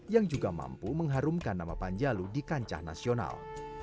yang juga mampu mengharumkan nama panjalu di kancah nasional